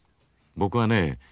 僕はね